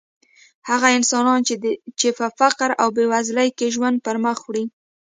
هغه انسانان چې په فقر او بېوزلۍ کې ژوند پرمخ وړي.